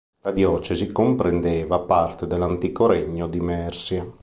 La diocesi comprendeva parte dell'antico regno di Mercia.